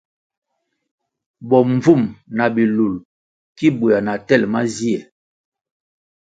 Bombvúm na bilul ki buéah na tel mazie.